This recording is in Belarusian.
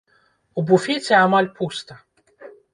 У буфеце амаль пуста.